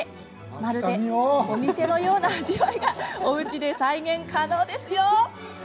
まるでお店のような味わいがおうちで再現可能ですよ！